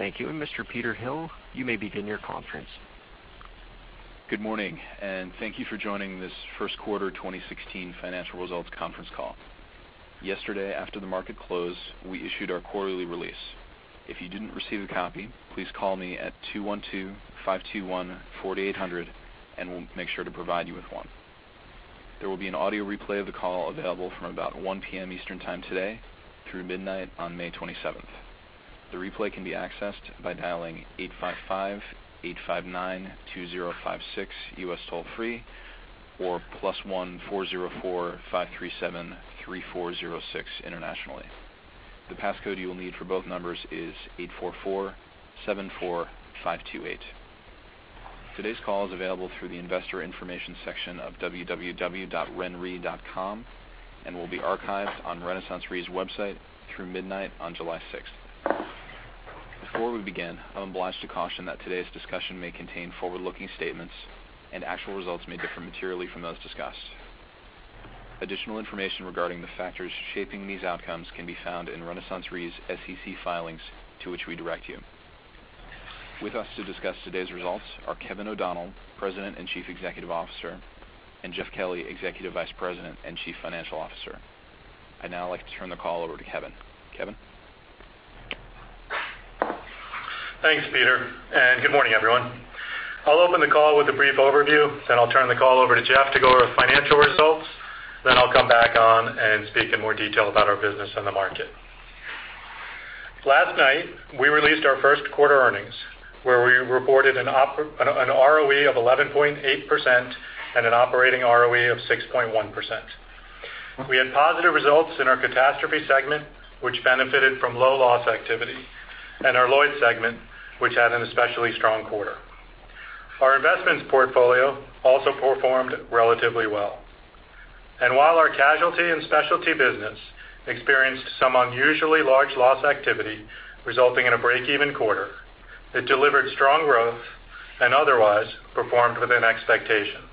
Thank you. Mr. Peter Hill, you may begin your conference. Good morning, thank you for joining this first quarter 2016 financial results conference call. Yesterday, after the market closed, we issued our quarterly release. If you didn't receive a copy, please call me at 212-521-4800 and we'll make sure to provide you with one. There will be an audio replay of the call available from about 1:00 P.M. Eastern time today through midnight on May 27th. The replay can be accessed by dialing 855-859-2056 U.S. toll-free or +1-404-537-3406 internationally. The passcode you will need for both numbers is 84474528. Today's call is available through the investor information section of www.renre.com and will be archived on RenaissanceRe's website through midnight on July 6th. Before we begin, I'm obliged to caution that today's discussion may contain forward-looking statements and actual results may differ materially from those discussed. Additional information regarding the factors shaping these outcomes can be found in RenaissanceRe's SEC filings to which we direct you. With us to discuss today's results are Kevin O'Donnell, President and Chief Executive Officer, and Jeff Kelly, Executive Vice President and Chief Financial Officer. I'd now like to turn the call over to Kevin. Kevin? Thanks, Peter, good morning, everyone. I'll open the call with a brief overview, I'll turn the call over to Jeff to go over financial results. I'll come back on and speak in more detail about our business and the market. Last night, we released our first-quarter earnings, where we reported an ROE of 11.8% and an operating ROE of 6.1%. We had positive results in our Catastrophe segment, which benefited from low loss activity, and our Lloyd's segment, which had an especially strong quarter. Our investments portfolio also performed relatively well. While our Casualty and Specialty business experienced some unusually large loss activity resulting in a break-even quarter, it delivered strong growth and otherwise performed within expectations.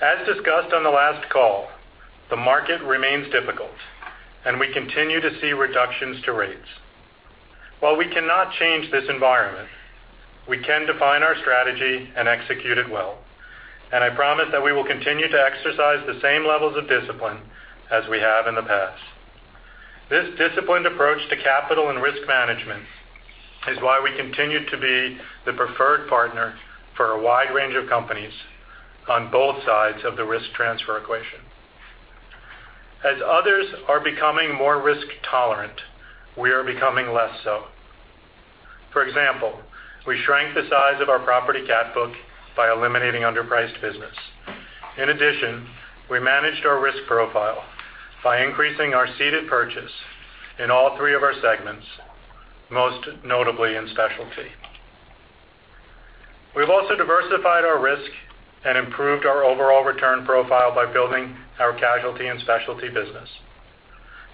As discussed on the last call, the market remains difficult, and we continue to see reductions to rates. While we cannot change this environment, we can define our strategy and execute it well, and I promise that we will continue to exercise the same levels of discipline as we have in the past. This disciplined approach to capital and risk management is why we continue to be the preferred partner for a wide range of companies on both sides of the risk transfer equation. As others are becoming more risk tolerant, we are becoming less so. For example, we shrank the size of our property cat book by eliminating underpriced business. In addition, we managed our risk profile by increasing our ceded purchase in all three of our segments, most notably in Specialty. We've also diversified our risk and improved our overall return profile by building our Casualty and Specialty business.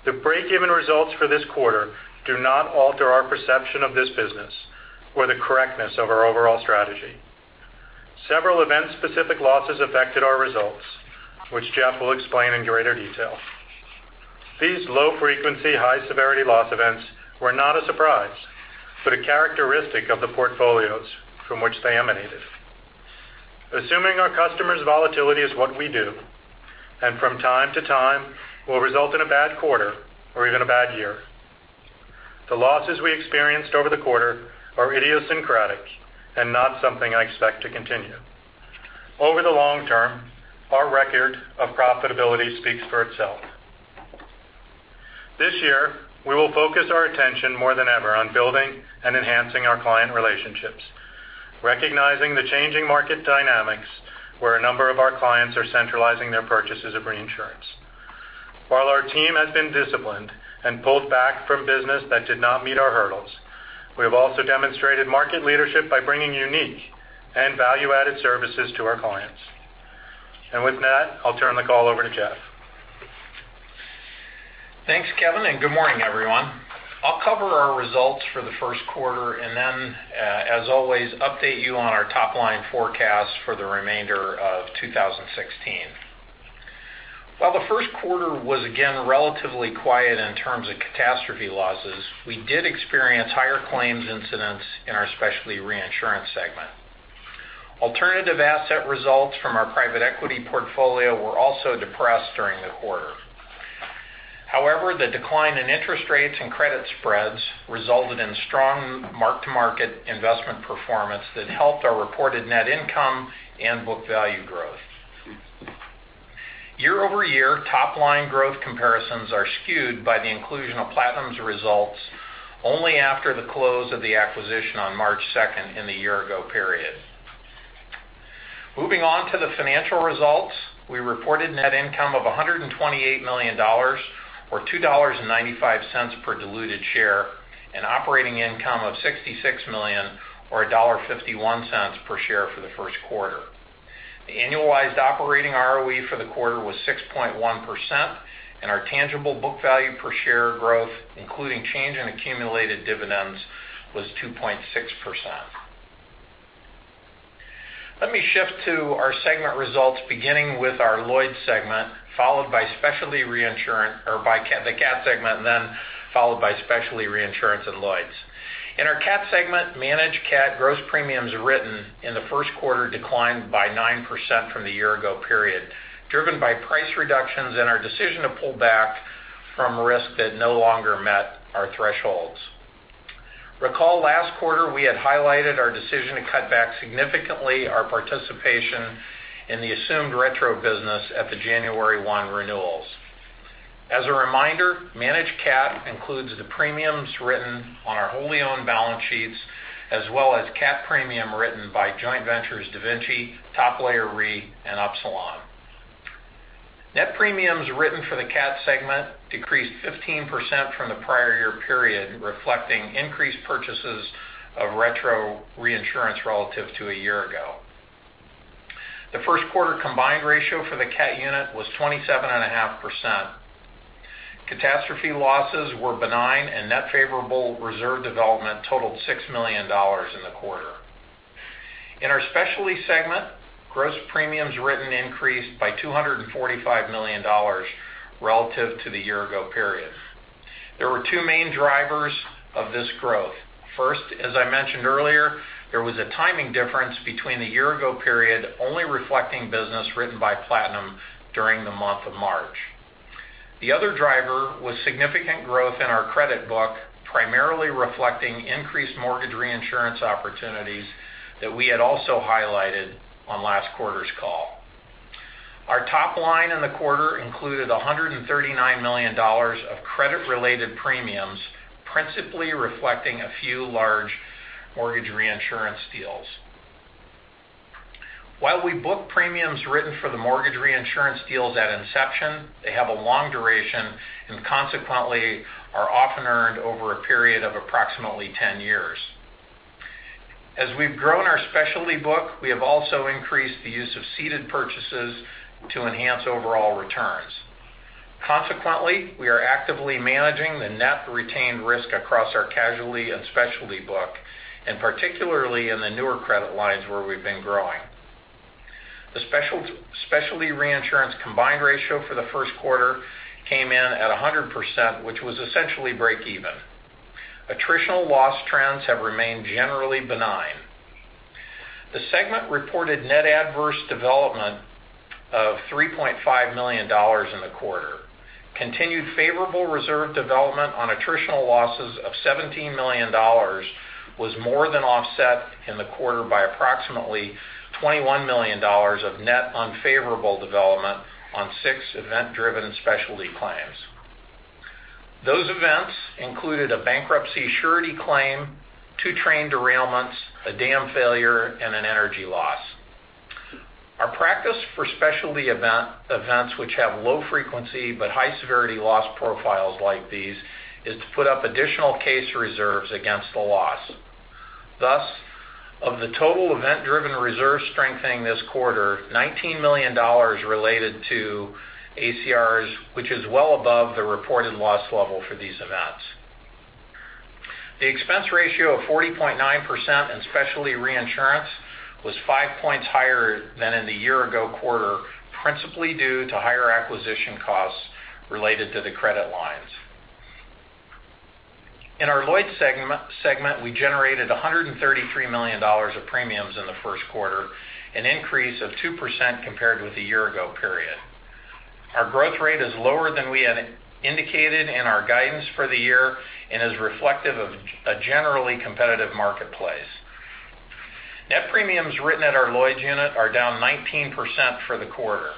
The break-even results for this quarter do not alter our perception of this business or the correctness of our overall strategy. Several event-specific losses affected our results, which Jeff will explain in greater detail. These low-frequency, high-severity loss events were not a surprise, but a characteristic of the portfolios from which they emanated. Assuming our customers' volatility is what we do, and from time to time will result in a bad quarter or even a bad year. The losses we experienced over the quarter are idiosyncratic and not something I expect to continue. Over the long term, our record of profitability speaks for itself. This year, we will focus our attention more than ever on building and enhancing our client relationships, recognizing the changing market dynamics where a number of our clients are centralizing their purchases of reinsurance. While our team has been disciplined and pulled back from business that did not meet our hurdles, we have also demonstrated market leadership by bringing unique and value-added services to our clients. With that, I'll turn the call over to Jeff. Thanks, Kevin, and good morning, everyone. I'll cover our results for the first quarter and then, as always, update you on our top-line forecast for the remainder of 2016. While the first quarter was again relatively quiet in terms of catastrophe losses, we did experience higher claims incidents in our Specialty Reinsurance segment. Alternative asset results from our private equity portfolio were also depressed during the quarter. However, the decline in interest rates and credit spreads resulted in strong mark-to-market investment performance that helped our reported net income and book value growth. Year-over-year, top-line growth comparisons are skewed by the inclusion of Platinum's results only after the close of the acquisition on March 2nd in the year-ago period. Moving on to the financial results, we reported net income of $128 million, or $2.95 per diluted share, and operating income of $66 million, or $1.51 per share for the first quarter. The annualized operating ROE for the quarter was 6.1%, and our tangible book value per share growth, including change in accumulated dividends, was 2.6%. Let me shift to our segment results, beginning with our Lloyd's segment, followed by the Cat segment, and then followed by specialty reinsurance and Lloyd's. In our Cat segment, managed Cat gross premiums written in the first quarter declined by 9% from the year ago period, driven by price reductions and our decision to pull back from risk that no longer met our thresholds. Recall last quarter we had highlighted our decision to cut back significantly our participation in the assumed retro business at the January 1 renewals. As a reminder, managed Cat includes the premiums written on our wholly owned balance sheets, as well as Cat premium written by joint ventures, DaVinci, Top Layer Re, and Upsilon. Net premiums written for the Cat segment decreased 15% from the prior year period, reflecting increased purchases of retro reinsurance relative to a year ago. The first quarter combined ratio for the Cat unit was 27.5%. Catastrophe losses were benign, and net favorable reserve development totaled $6 million in the quarter. In our Specialty segment, gross premiums written increased by $245 million relative to the year ago period. There were two main drivers of this growth. First, as I mentioned earlier, there was a timing difference between the year ago period only reflecting business written by Platinum during the month of March. The other driver was significant growth in our credit book, primarily reflecting increased mortgage reinsurance opportunities that we had also highlighted on last quarter's call. Our top line in the quarter included $139 million of credit-related premiums, principally reflecting a few large mortgage reinsurance deals. While we book premiums written for the mortgage reinsurance deals at inception, they have a long duration and consequently are often earned over a period of approximately 10 years. As we've grown our specialty book, we have also increased the use of ceded purchases to enhance overall returns. Consequently, we are actively managing the net retained risk across our casualty and specialty book, and particularly in the newer credit lines where we've been growing. The specialty reinsurance combined ratio for the first quarter came in at 100%, which was essentially break even. Attritional loss trends have remained generally benign. The segment reported net adverse development of $3.5 million in the quarter. Continued favorable reserve development on attritional losses of $17 million was more than offset in the quarter by approximately $21 million of net unfavorable development on six event-driven specialty claims. Those events included a bankruptcy surety claim, two train derailments, a dam failure, and an energy loss. Our practice for specialty events which have low frequency but high severity loss profiles like these, is to put up additional case reserves against the loss. Thus, of the total event-driven reserve strengthening this quarter, $19 million related to ACRs, which is well above the reported loss level for these events. The expense ratio of 40.9% in specialty reinsurance was five points higher than in the year ago quarter, principally due to higher acquisition costs related to the credit lines. In our Lloyd's segment, we generated $133 million of premiums in the first quarter, an increase of 2% compared with the year-ago period. Our growth rate is lower than we had indicated in our guidance for the year and is reflective of a generally competitive marketplace. Net premiums written at our Lloyd's unit are down 19% for the quarter.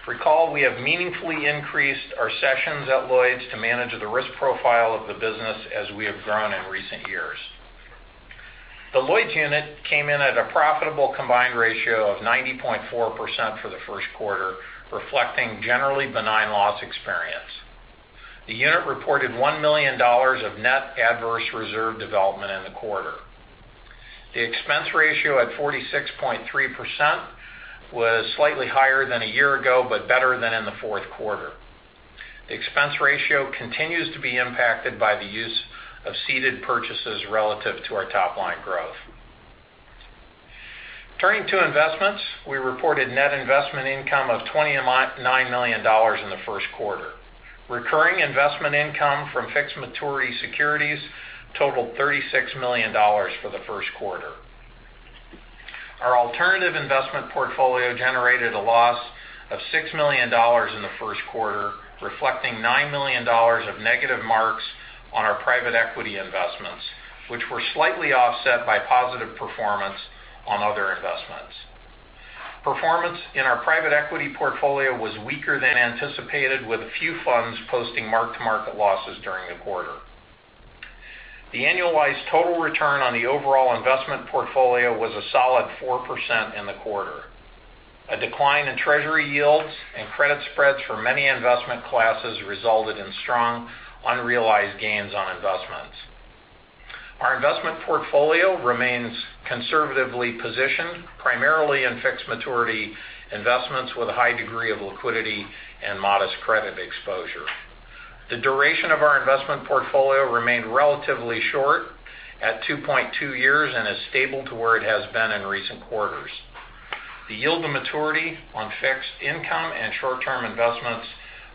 If you recall, we have meaningfully increased our sessions at Lloyd's to manage the risk profile of the business as we have grown in recent years. The Lloyd's unit came in at a profitable combined ratio of 90.4% for the first quarter, reflecting generally benign loss experience. The unit reported $1 million of net adverse reserve development in the quarter. The expense ratio at 46.3% was slightly higher than a year ago, but better than in the fourth quarter. The expense ratio continues to be impacted by the use of ceded purchases relative to our top-line growth. Turning to investments, we reported net investment income of $29 million in the first quarter. Recurring investment income from fixed maturity securities totaled $36 million for the first quarter. Our alternative investment portfolio generated a loss of $6 million in the first quarter, reflecting $9 million of negative marks on our private equity investments, which were slightly offset by positive performance on other investments. Performance in our private equity portfolio was weaker than anticipated, with a few funds posting mark-to-market losses during the quarter. The annualized total return on the overall investment portfolio was a solid 4% in the quarter. A decline in treasury yields and credit spreads for many investment classes resulted in strong unrealized gains on investments. Our investment portfolio remains conservatively positioned, primarily in fixed maturity investments with a high degree of liquidity and modest credit exposure. The duration of our investment portfolio remained relatively short at 2.2 years and is stable to where it has been in recent quarters. The yield to maturity on fixed income and short-term investments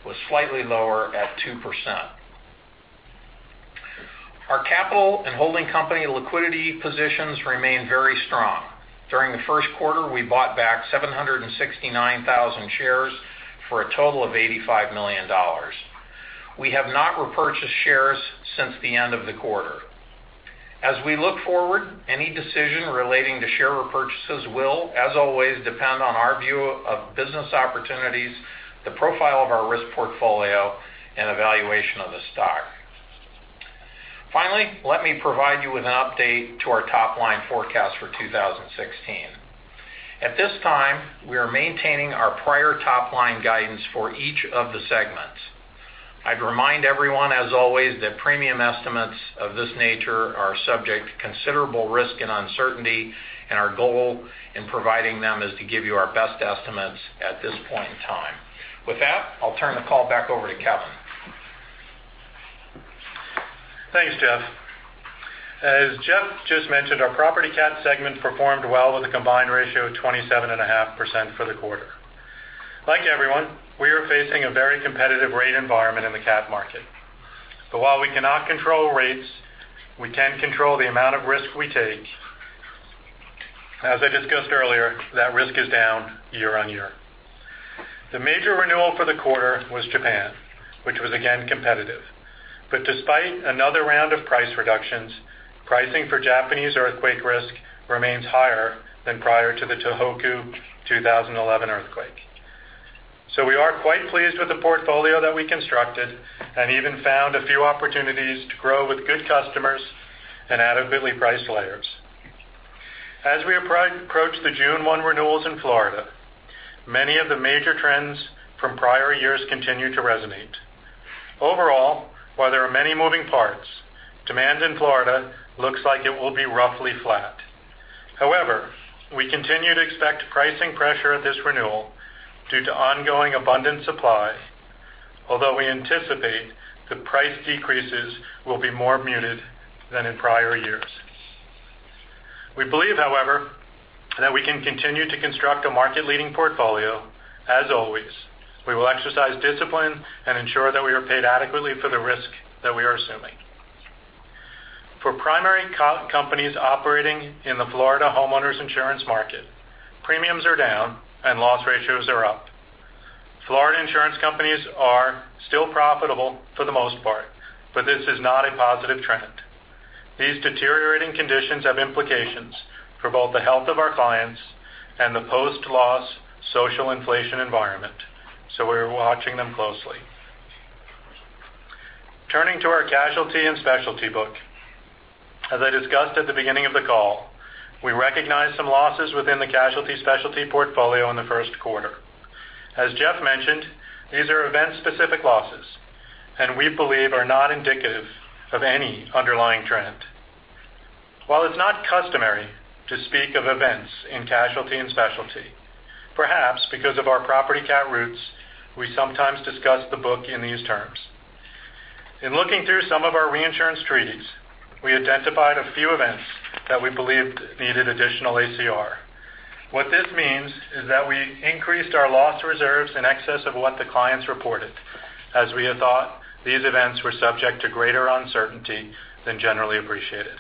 was slightly lower at 2%. Our capital and holding company liquidity positions remain very strong. During the first quarter, we bought back 769,000 shares for a total of $85 million. We have not repurchased shares since the end of the quarter. As we look forward, any decision relating to share repurchases will, as always, depend on our view of business opportunities, the profile of our risk portfolio, and evaluation of the stock. Finally, let me provide you with an update to our top-line forecast for 2016. At this time, we are maintaining our prior top-line guidance for each of the segments. I'd remind everyone, as always, that premium estimates of this nature are subject to considerable risk and uncertainty, and our goal in providing them is to give you our best estimates at this point in time. With that, I'll turn the call back over to Kevin. Thanks, Jeff. As Jeff just mentioned, our property cat segment performed well with a combined ratio of 27.5% for the quarter. Like everyone, we are facing a very competitive rate environment in the cat market. While we cannot control rates, we can control the amount of risk we take. As I discussed earlier, that risk is down year-on-year. The major renewal for the quarter was Japan, which was again competitive. Despite another round of price reductions, pricing for Japanese earthquake risk remains higher than prior to the Tohoku 2011 earthquake. We are quite pleased with the portfolio that we constructed and even found a few opportunities to grow with good customers and adequately priced layers. As we approach the June 1 renewals in Florida, many of the major trends from prior years continue to resonate. Overall, while there are many moving parts, demand in Florida looks like it will be roughly flat. However, we continue to expect pricing pressure at this renewal due to ongoing abundant supply, although we anticipate the price decreases will be more muted than in prior years. We believe, however, that we can continue to construct a market-leading portfolio. As always, we will exercise discipline and ensure that we are paid adequately for the risk that we are assuming. For primary companies operating in the Florida homeowners insurance market, premiums are down, and loss ratios are up. Florida insurance companies are still profitable for the most part, but this is not a positive trend. These deteriorating conditions have implications for both the health of our clients and the post-loss social inflation environment, we're watching them closely. Turning to our casualty and specialty book. As I discussed at the beginning of the call, we recognized some losses within the casualty specialty portfolio in the first quarter. As Jeff mentioned, these are event-specific losses, and we believe are not indicative of any underlying trend. While it's not customary to speak of events in casualty and specialty, perhaps because of our property cat roots, we sometimes discuss the book in these terms. In looking through some of our reinsurance treaties, we identified a few events that we believed needed additional ACR. What this means is that we increased our loss reserves in excess of what the clients reported, as we had thought these events were subject to greater uncertainty than generally appreciated.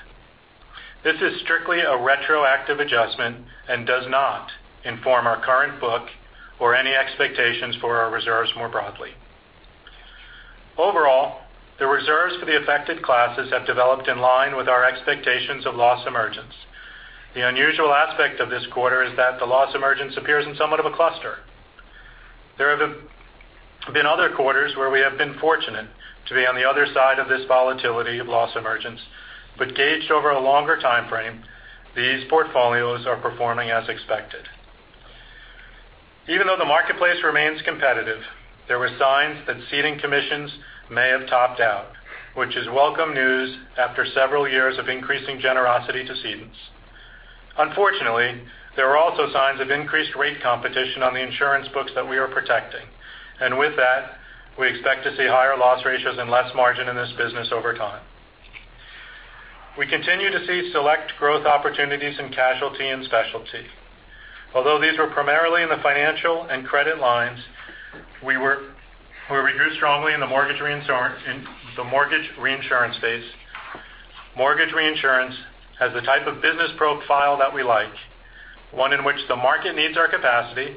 This is strictly a retroactive adjustment and does not inform our current book or any expectations for our reserves more broadly. Overall, the reserves for the affected classes have developed in line with our expectations of loss emergence. The unusual aspect of this quarter is that the loss emergence appears in somewhat of a cluster. There have been other quarters where we have been fortunate to be on the other side of this volatility of loss emergence, gauged over a longer timeframe, these portfolios are performing as expected. Even though the marketplace remains competitive, there were signs that ceding commissions may have topped out, which is welcome news after several years of increasing generosity to cedents. Unfortunately, there are also signs of increased rate competition on the insurance books that we are protecting, with that, we expect to see higher loss ratios and less margin in this business over time. We continue to see select growth opportunities in casualty and specialty. Although these were primarily in the financial and credit lines, we were reduced strongly in the mortgage reinsurance phase. Mortgage reinsurance has the type of business profile that we like, one in which the market needs our capacity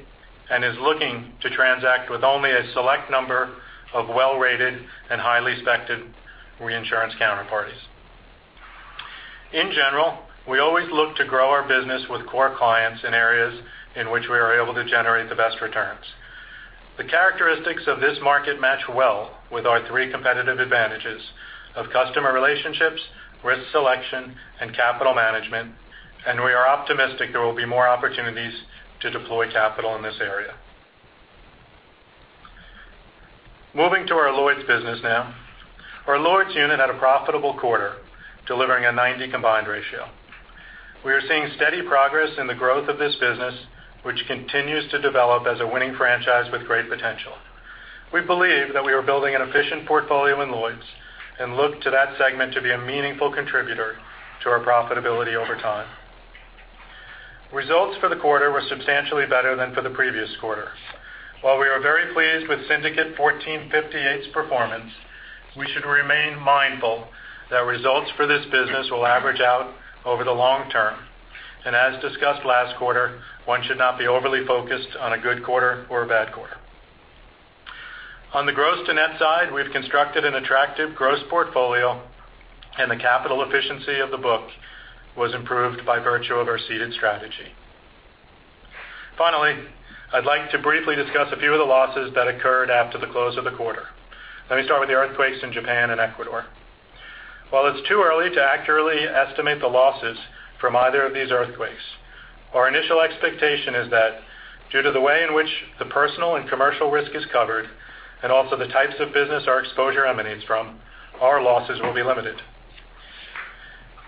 and is looking to transact with only a select number of well-rated and highly respected reinsurance counterparties. In general, we always look to grow our business with core clients in areas in which we are able to generate the best returns. The characteristics of this market match well with our three competitive advantages of customer relationships, risk selection, and capital management, we are optimistic there will be more opportunities to deploy capital in this area. Moving to our Lloyd's business now. Our Lloyd's unit had a profitable quarter, delivering a 90 combined ratio. We are seeing steady progress in the growth of this business, which continues to develop as a winning franchise with great potential. We believe that we are building an efficient portfolio in Lloyd's, and look to that segment to be a meaningful contributor to our profitability over time. Results for the quarter were substantially better than for the previous quarter. While we are very pleased with Syndicate 1458's performance, we should remain mindful that results for this business will average out over the long term. As discussed last quarter, one should not be overly focused on a good quarter or a bad quarter. On the gross to net side, we've constructed an attractive gross portfolio, and the capital efficiency of the book was improved by virtue of our ceded strategy. Finally, I'd like to briefly discuss a few of the losses that occurred after the close of the quarter. Let me start with the earthquakes in Japan and Ecuador. While it's too early to accurately estimate the losses from either of these earthquakes, our initial expectation is that due to the way in which the personal and commercial risk is covered, and also the types of business our exposure emanates from, our losses will be limited.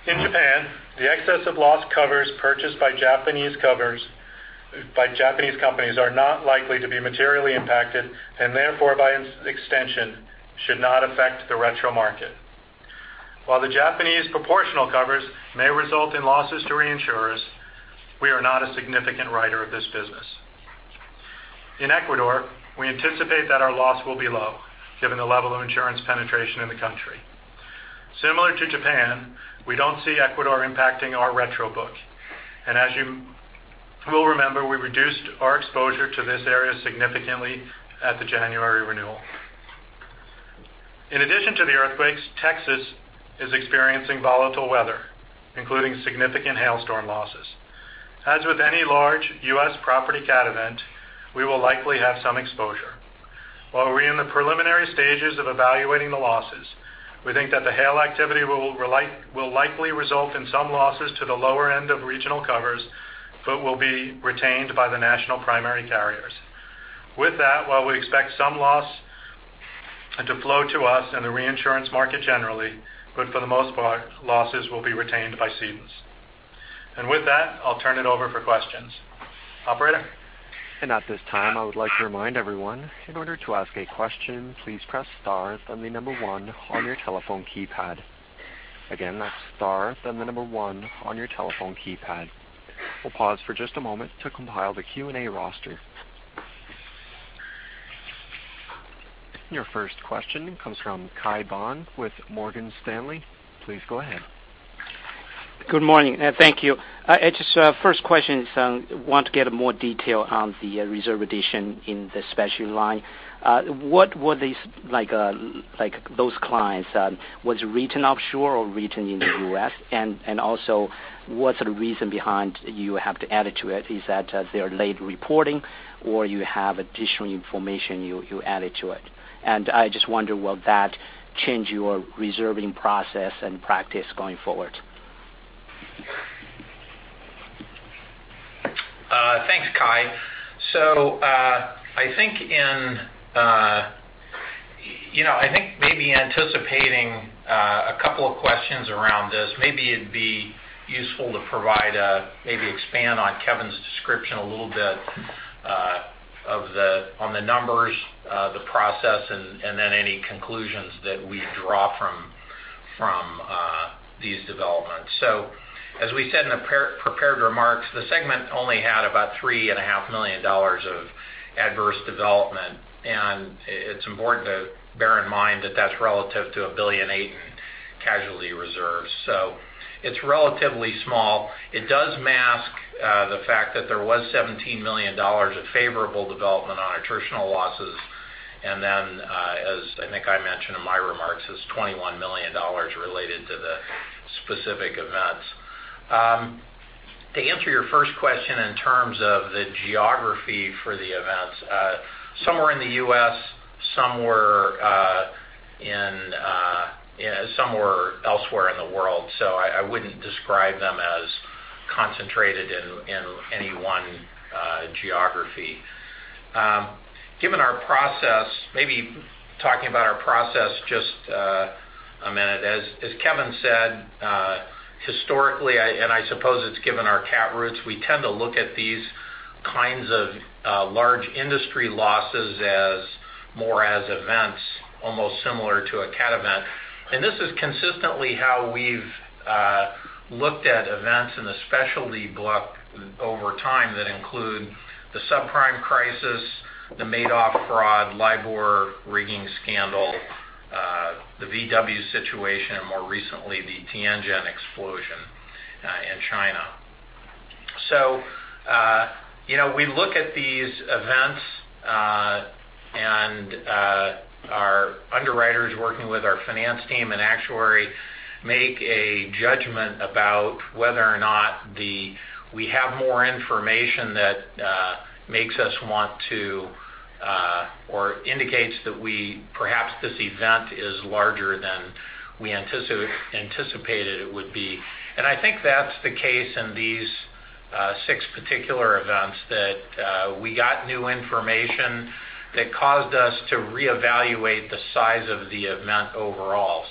In Japan, the excess of loss covers purchased by Japanese companies are not likely to be materially impacted, and therefore, by extension, should not affect the retro market. While the Japanese proportional covers may result in losses to reinsurers, we are not a significant writer of this business. In Ecuador, we anticipate that our loss will be low, given the level of insurance penetration in the country. Similar to Japan, we don't see Ecuador impacting our retro book. As you will remember, we reduced our exposure to this area significantly at the January renewal. In addition to the earthquakes, Texas is experiencing volatile weather, including significant hailstorm losses. As with any large U.S. property cat event, we will likely have some exposure. While we're in the preliminary stages of evaluating the losses, we think that the hail activity will likely result in some losses to the lower end of regional covers, but will be retained by the national primary carriers. With that, while we expect some loss to flow to us and the reinsurance market generally, but for the most part, losses will be retained by cedents. With that, I'll turn it over for questions. Operator? At this time, I would like to remind everyone, in order to ask a question, please press star, then the number one on your telephone keypad. Again, that's star, then the number one on your telephone keypad. We'll pause for just a moment to compile the Q&A roster. Your first question comes from Kai Pan with Morgan Stanley. Please go ahead. Good morning, and thank you. I want to get more detail on the reserve addition in the specialty line. What were these clients? Was it written offshore or written in the U.S.? What's the reason behind you have to add it to it? Is that they're late reporting or you have additional information you added to it? I just wonder, will that change your reserving process and practice going forward? Thanks, Kai. I think maybe anticipating a couple of questions around this, maybe it'd be useful to maybe expand on Kevin's description a little bit on the numbers, the process, and then any conclusions that we draw from these developments. As we said in the prepared remarks, the segment only had about $3.5 million of adverse development. It's important to bear in mind that that's relative to $1.8 billion in casualty reserves. It's relatively small. It does mask the fact that there was $17 million of favorable development on attritional losses. Then, as I think I mentioned in my remarks, is $21 million related to the specific events. To answer your first question in terms of the geography for the events, some were in the U.S., some were elsewhere in the world. I wouldn't describe them as concentrated in any one geography. Given our process, maybe talking about our process just a minute. As Kevin said, historically, I suppose it's given our cat roots, we tend to look at these kinds of large industry losses as more as events, almost similar to a cat event. This is consistently how we've looked at events in the specialty block over time that include the subprime crisis, the Madoff fraud, LIBOR rigging scandal, the VW situation, and more recently, the Tianjin explosion in China. We look at these events and our underwriters working with our finance team and actuary make a judgment about whether or not we have more information that makes us want to or indicates that perhaps this event is larger than we anticipated it would be. I think that's the case in the six particular events that we got new information that caused us to reevaluate the size of the event overall.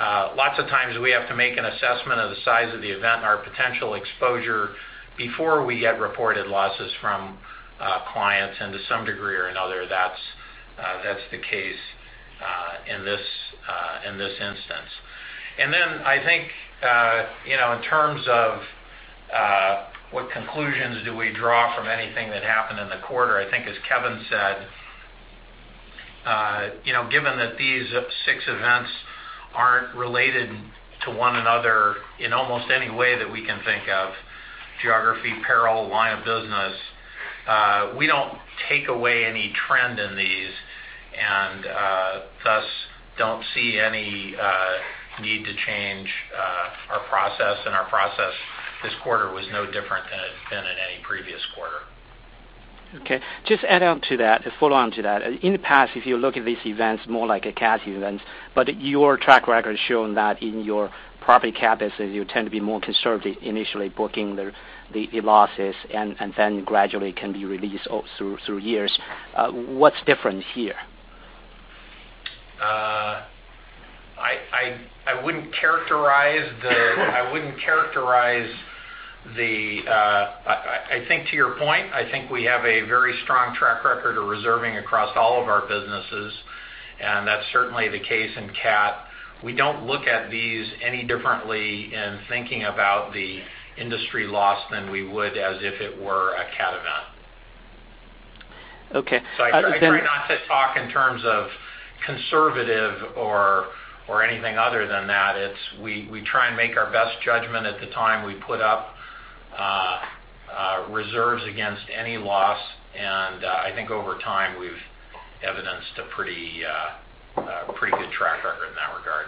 Lots of times we have to make an assessment of the size of the event and our potential exposure before we get reported losses from clients, and to some degree or another, that's the case in this instance. Then I think, in terms of what conclusions do we draw from anything that happened in the quarter, I think as Kevin said, given that these six events aren't related to one another in almost any way that we can think of, geography, peril, line of business, we don't take away any trend in these, and thus don't see any need to change our process. Our process this quarter was no different than in any previous quarter. Okay. Just add on to that, to follow on to that. In the past, if you look at these events more like a cat event, but your track record has shown that in your property capacities, you tend to be more conservative initially booking the losses and then gradually can be released through years. What's different here? I wouldn't characterize. I think to your point, I think we have a very strong track record of reserving across all of our businesses, and that's certainly the case in cat. We don't look at these any differently in thinking about the industry loss than we would as if it were a cat event. Okay. I try not to talk in terms of conservative or anything other than that. We try and make our best judgment at the time. We put up reserves against any loss, I think over time, we've evidenced a pretty good track record in that regard.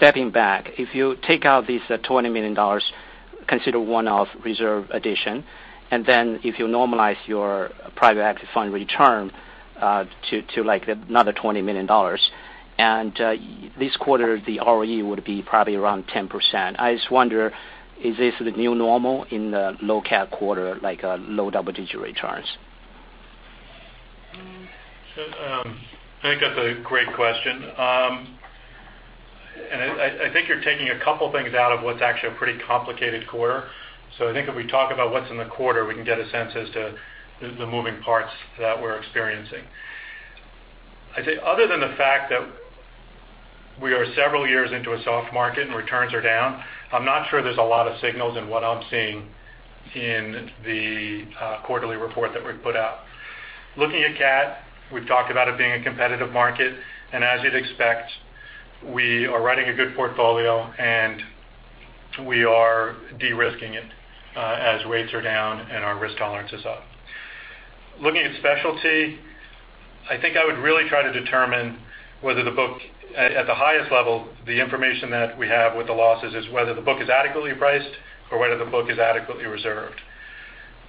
Stepping back, if you take out this $20 million, consider one-off reserve addition, then if you normalize your private equity fund return to another $20 million, this quarter, the ROE would be probably around 10%. I just wonder, is this the new normal in the low cat quarter, like low double-digit returns? I think that's a great question. I think you're taking a couple things out of what's actually a pretty complicated quarter. I think if we talk about what's in the quarter, we can get a sense as to the moving parts that we're experiencing. I'd say other than the fact that we are several years into a soft market and returns are down, I'm not sure there's a lot of signals in what I'm seeing in the quarterly report that we put out. Looking at cat, we've talked about it being a competitive market, as you'd expect, we are writing a good portfolio and we are de-risking it as rates are down and our risk tolerance is up. Looking at specialty, I think I would really try to determine whether the book at the highest level, the information that we have with the losses is whether the book is adequately priced or whether the book is adequately reserved.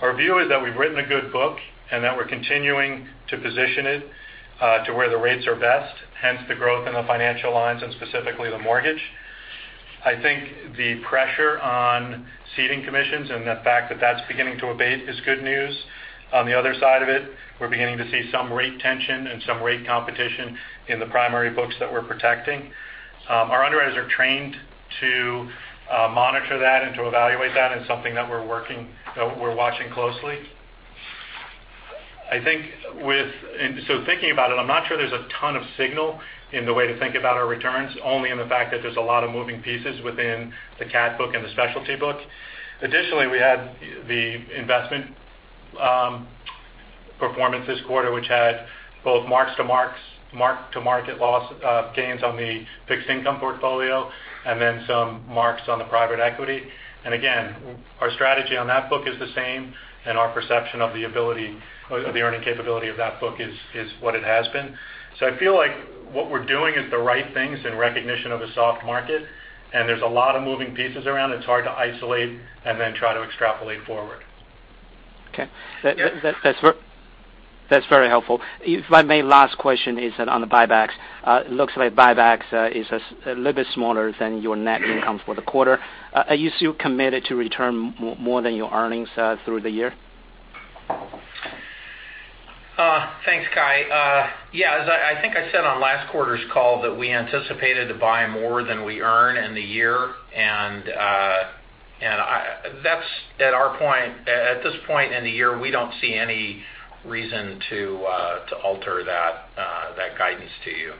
Our view is that we've written a good book and that we're continuing to position it to where the rates are best, hence the growth in the financial lines and specifically the mortgage. I think the pressure on ceding commissions and the fact that that's beginning to abate is good news. On the other side of it, we're beginning to see some rate tension and some rate competition in the primary books that we're protecting. Our underwriters are trained to monitor that and to evaluate that, it's something that we're watching closely. Thinking about it, I'm not sure there's a ton of signal in the way to think about our returns, only in the fact that there's a lot of moving pieces within the cat book and the specialty book. Additionally, we had the investment performance this quarter, which had both mark to market gains on the fixed income portfolio and then some marks on the private equity. Again, our strategy on that book is the same, our perception of the earning capability of that book is what it has been. I feel like what we're doing is the right things in recognition of a soft market, there's a lot of moving pieces around. It's hard to isolate and then try to extrapolate forward. Okay. That's very helpful. If I may, last question is on the buybacks. It looks like buybacks is a little bit smaller than your net income for the quarter. Are you still committed to return more than your earnings through the year? Thanks, Kai. Yeah, as I think I said on last quarter's call that we anticipated to buy more than we earn in the year, and at this point in the year, we don't see any reason to alter that guidance to you.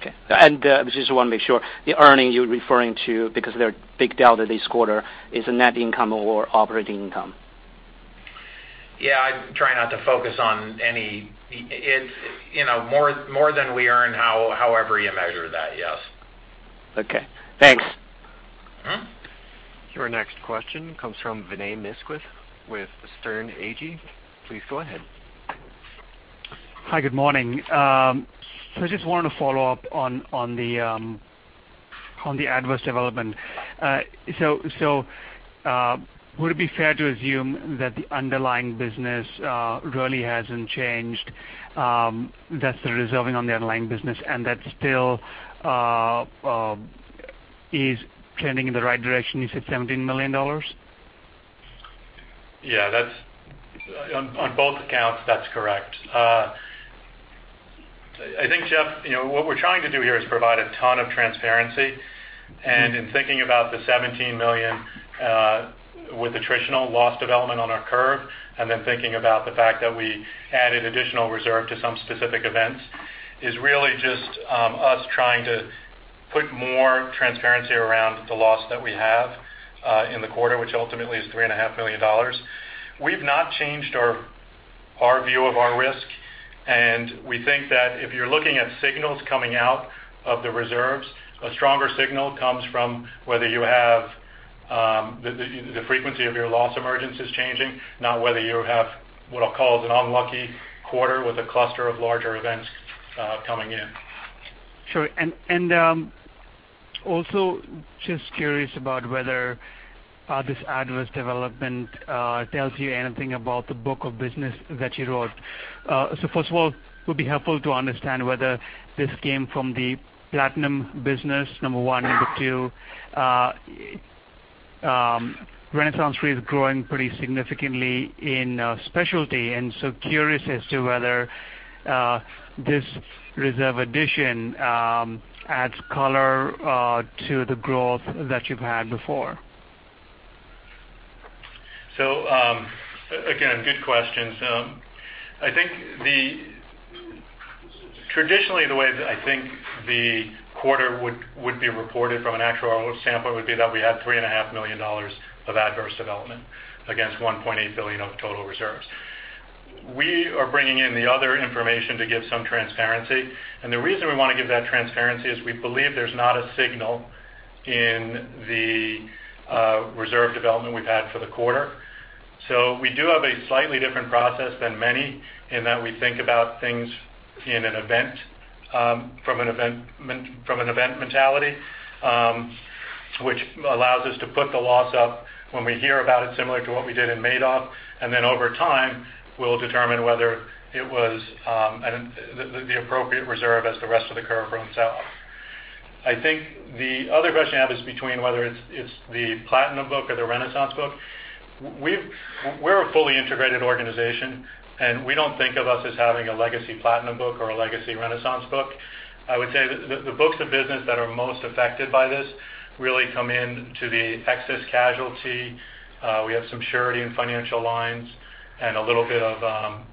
Okay. Just want to make sure, the earning you're referring to, because they're big delta this quarter, is the net income or operating income? Yeah, I try not to focus on any. More than we earn, however you measure that, yes. Okay. Thanks. Your next question comes from Vinay Misquith with Sterne Agee. Please go ahead. Hi, good morning. I just wanted to follow up on the adverse development. Would it be fair to assume that the underlying business really hasn't changed, that's the reserving on the underlying business, and that still is trending in the right direction, you said $17 million? Yeah. On both accounts, that's correct. I think, Jeff, what we're trying to do here is provide a ton of transparency. In thinking about the $17 million with attritional loss development on our curve, and then thinking about the fact that we added additional reserve to some specific events, is really just us trying to put more transparency around the loss that we have in the quarter, which ultimately is $3.5 million. We've not changed our view of our risk, and we think that if you're looking at signals coming out of the reserves, a stronger signal comes from whether you have the frequency of your loss emergence is changing, not whether you have what I'll call an unlucky quarter with a cluster of larger events coming in. Sure. Also just curious about whether this adverse development tells you anything about the book of business that you wrote. First of all, it would be helpful to understand whether this came from the Platinum business, number one. Number two, RenaissanceRe is growing pretty significantly in specialty, curious as to whether this reserve addition adds color to the growth that you've had before. Again, good questions. Traditionally, the way that I think the quarter would be reported from an actuarial sample would be that we had $3.5 million of adverse development against $1.8 billion of total reserves. We are bringing in the other information to give some transparency, the reason we want to give that transparency is we believe there's not a signal in the reserve development we've had for the quarter. We do have a slightly different process than many in that we think about things from an event mentality, which allows us to put the loss up when we hear about it, similar to what we did in Madoff. Then over time, we'll determine whether it was the appropriate reserve as the rest of the curve runs out. I think the other question you have is between whether it's the Platinum book or the Renaissance book. We're a fully integrated organization, we don't think of us as having a legacy Platinum book or a legacy Renaissance book. I would say the books of business that are most affected by this really come in to the excess casualty. We have some surety in financial lines and a little bit of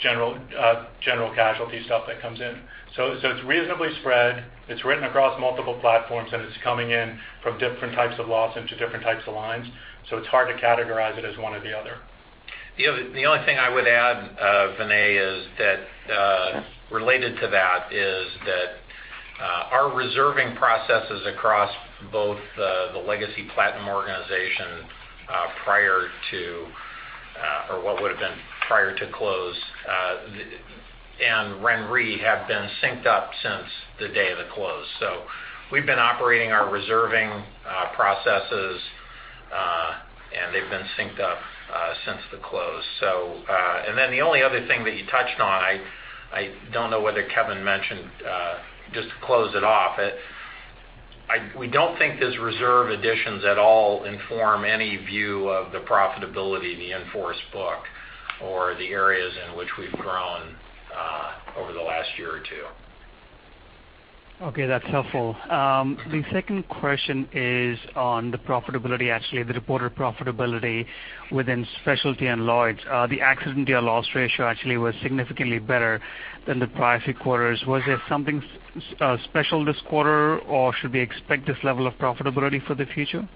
general casualty stuff that comes in. It's reasonably spread, it's written across multiple platforms, it's coming in from different types of loss into different types of lines. It's hard to categorize it as one or the other. The only thing I would add, Vinay, related to that, is that our reserving processes across both the legacy Platinum organization prior to, or what would've been prior to close, and RenRe have been synced up since the day of the close. We've been operating our reserving processes, they've been synced up since the close. Then the only other thing that you touched on, I don't know whether Kevin mentioned, just to close it off, we don't think these reserve additions at all inform any view of the profitability of the in-force book or the areas in which we've grown over the last year or two. Okay, that's helpful. The second question is on the profitability, actually, the reported profitability within specialty and Lloyd's. The accident year loss ratio actually was significantly better than the prior three quarters. Was there something special this quarter or should we expect this level of profitability for the future?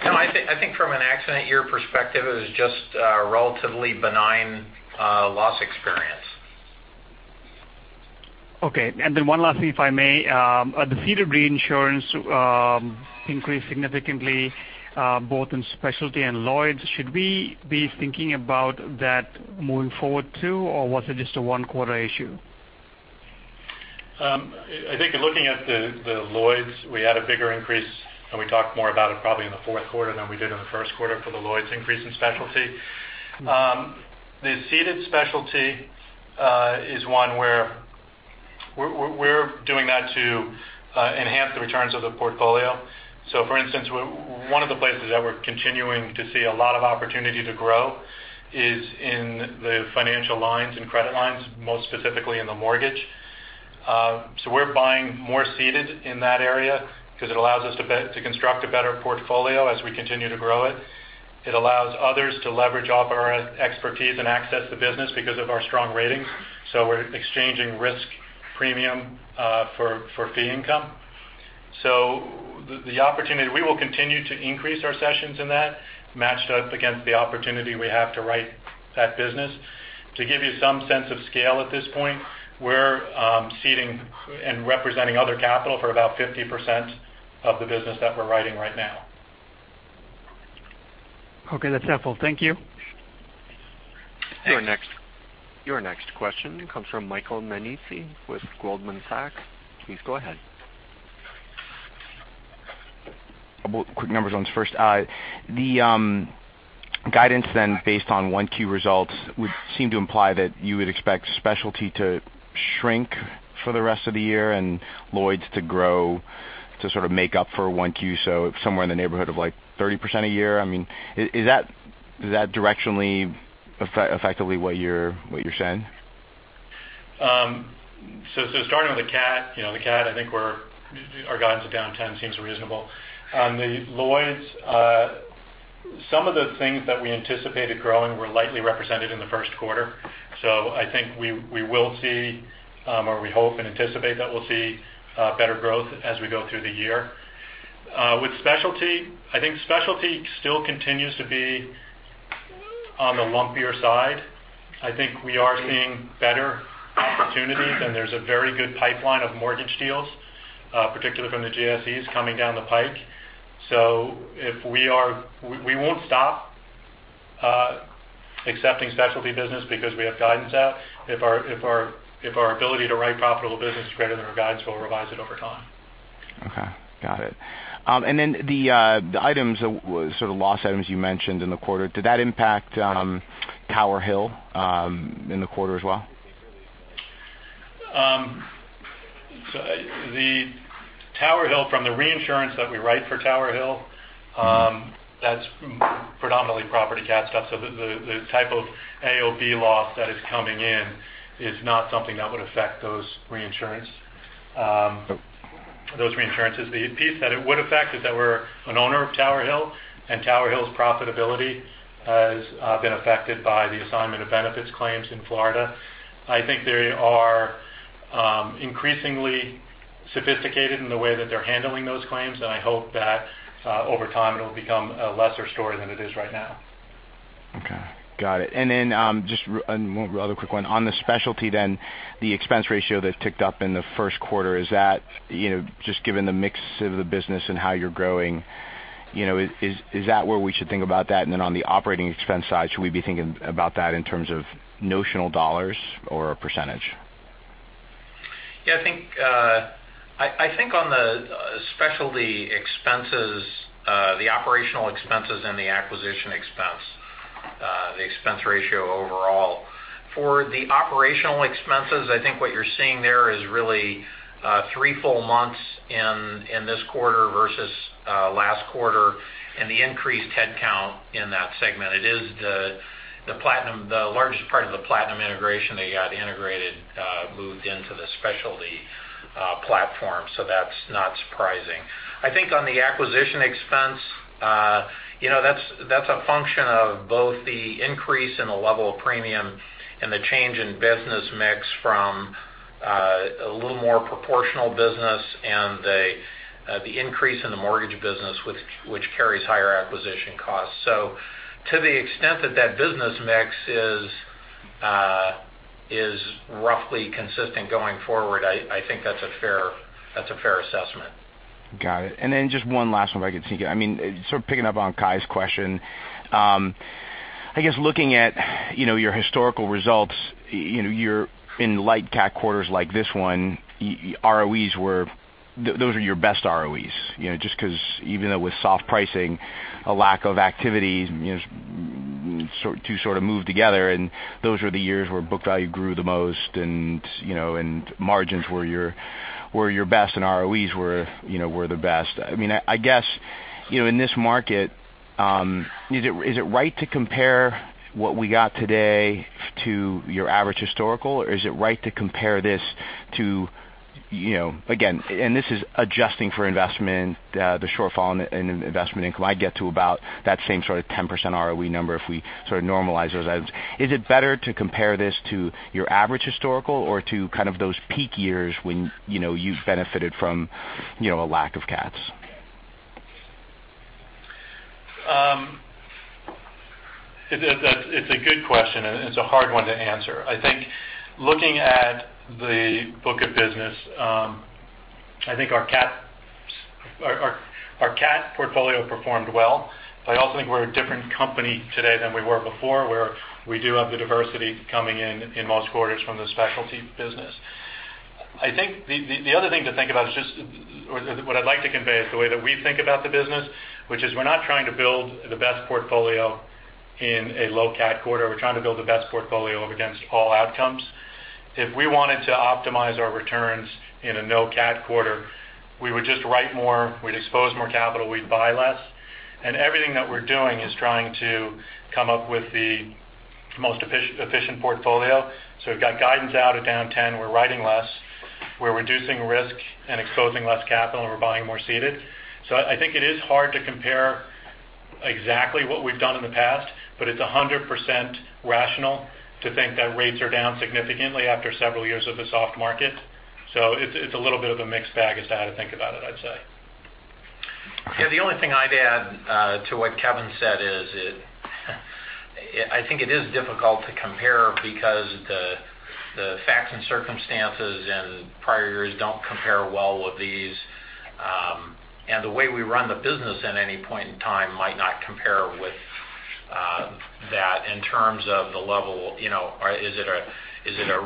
I think from an accident year perspective, it was just a relatively benign loss experience. Okay, one last thing, if I may. The ceded reinsurance increased significantly both in specialty and Lloyd's. Should we be thinking about that moving forward too, or was it just a one-quarter issue? I think in looking at the Lloyd's, we had a bigger increase, and we talked more about it probably in the fourth quarter than we did in the first quarter for the Lloyd's increase in specialty. The ceded specialty is one where we're doing that to enhance the returns of the portfolio. For instance, one of the places that we're continuing to see a lot of opportunity to grow is in the financial lines and credit lines, most specifically in the mortgage. We're buying more ceded in that area because it allows us to construct a better portfolio as we continue to grow it. It allows others to leverage off our expertise and access the business because of our strong ratings. We're exchanging risk premium for fee income. The opportunity, we will continue to increase our cessions in that matched up against the opportunity we have to write that business. To give you some sense of scale at this point, we're ceding and representing other capital for about 50% of the business that we're writing right now. Okay, that's helpful. Thank you. Thanks. Your next question comes from Michael Nannizzi with Goldman Sachs. Please go ahead. Quick numbers on this first. The guidance then based on 1Q results would seem to imply that you would expect specialty to shrink for the rest of the year and Lloyd's to grow to sort of make up for 1Q, so somewhere in the neighborhood of 30% a year. Is that directionally effectively what you're saying? Starting with the cat, I think our guidance of down 10% seems reasonable. On the Lloyd's, some of the things that we anticipated growing were lightly represented in the first quarter. I think we will see, or we hope and anticipate that we'll see better growth as we go through the year. Specialty, I think specialty still continues to be on the lumpier side. I think we are seeing better opportunities, and there's a very good pipeline of mortgage deals, particularly from the GSEs, coming down the pipe. We won't stop accepting specialty business because we have guidance out. If our ability to write profitable business is greater than our guidance, we'll revise it over time. Okay. Got it. The items, sort of loss items you mentioned in the quarter, did that impact Tower Hill in the quarter as well? The Tower Hill from the reinsurance that we write for Tower Hill, that's predominantly property cat stuff. The type of AOB loss that is coming in is not something that would affect those reinsurance. The piece that it would affect is that we're an owner of Tower Hill, and Tower Hill's profitability has been affected by the assignment of benefits claims in Florida. I think they are increasingly sophisticated in the way that they're handling those claims, and I hope that over time it'll become a lesser story than it is right now. Okay. Got it. Just one other quick one. On the specialty then, the expense ratio that ticked up in the first quarter, just given the mix of the business and how you're growing, is that where we should think about that? On the operating expense side, should we be thinking about that in terms of notional dollars or a percentage? Yeah, I think on the specialty expenses, the operational expenses and the acquisition expense, the expense ratio overall. For the operational expenses, I think what you're seeing there is really 3 full months in this quarter versus last quarter and the increased headcount in that segment. It is the largest part of the Platinum integration that got integrated, moved into the specialty platform. That's not surprising. I think on the acquisition expense, that's a function of both the increase in the level of premium and the change in business mix from a little more proportional business and the increase in the mortgage business, which carries higher acquisition costs. To the extent that that business mix is roughly consistent going forward, I think that's a fair assessment. Got it. Just one last one, if I could sneak it. Picking up on Kai's question, I guess looking at your historical results, you're in light cat quarters like this one, ROEs were those are your best ROEs. Just because even though with soft pricing, a lack of activity to sort of move together, and those were the years where book value grew the most and margins were your best and ROEs were the best. I guess, in this market, is it right to compare what we got today to your average historical, or is it right to compare this to, again, and this is adjusting for investment, the shortfall in investment income, I'd get to about that same sort of 10% ROE number if we sort of normalize those items. Is it better to compare this to your average historical or to kind of those peak years when you've benefited from a lack of cats? It's a good question, and it's a hard one to answer. I think looking at the book of business, I think our cat portfolio performed well, but I also think we're a different company today than we were before, where we do have the diversity coming in in most quarters from the specialty business. I think the other thing to think about is just, or what I'd like to convey is the way that we think about the business, which is we're not trying to build the best portfolio in a low cat quarter. We're trying to build the best portfolio against all outcomes. If we wanted to optimize our returns in a no cat quarter, we would just write more, we'd expose more capital, we'd buy less. Everything that we're doing is trying to come up with the most efficient portfolio. We've got guidance out at down 10%. We're writing less. We're reducing risk and exposing less capital, and we're buying more ceded. I think it is hard to compare exactly what we've done in the past, but it's 100% rational to think that rates are down significantly after several years of a soft market. It's a little bit of a mixed bag as to how to think about it, I'd say. Yeah, the only thing I'd add to what Kevin said is I think it is difficult to compare because the facts and circumstances in prior years don't compare well with these. The way we run the business at any point in time might not compare with that in terms of the level. Is it a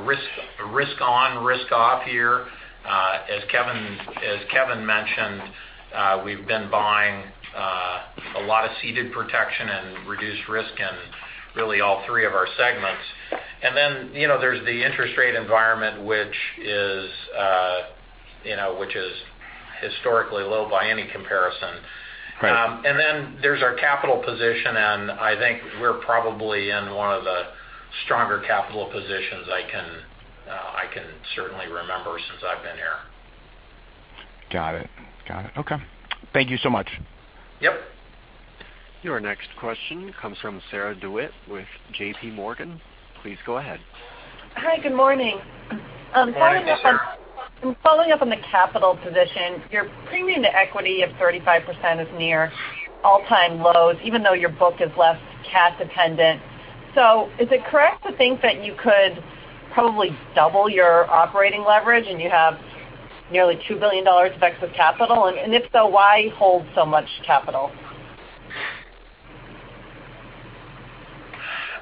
risk on, risk off here? As Kevin mentioned, we've been buying a lot of ceded protection and reduced risk in really all three of our segments. There's the interest rate environment, which is historically low by any comparison. Right. There's our capital position. I think we're probably in one of the stronger capital positions I can certainly remember since I've been here. Got it. Okay. Thank you so much. Yep. Your next question comes from Sarah DeWitt with J.P. Morgan. Please go ahead. Hi, good morning. Good morning, Sarah. Following up on the capital position, your premium to equity of 35% is near all-time lows, even though your book is less CAT dependent. Is it correct to think that you could probably double your operating leverage and you have nearly $2 billion of excess capital, and if so, why hold so much capital?